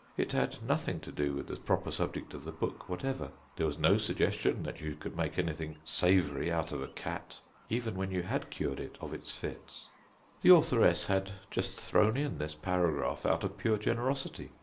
It had nothing to do with the proper subject of the book whatever; there was no suggestion that you could make anything savoury out of a cat, even when you had cured it of its fits. The authoress had just thrown in this paragraph out of pure generosity.